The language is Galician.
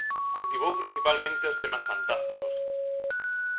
Cultivou principalmente os temas fantásticos.